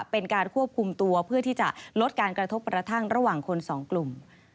เป็นการควบคุมตัวเพื่อที่จะลดการกระทบกระทั่งระหว่างคนสองกลุ่ม